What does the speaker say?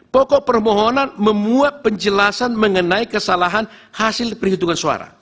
pokok permohonan memuat penjelasan mengenai kesalahan hasil perhitungan suara